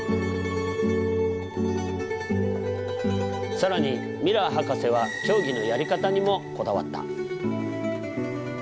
更にミラー博士は競技のやり方にもこだわった。